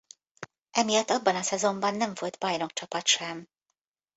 Emiatt abban a szezonban nem volt bajnokcsapat sem.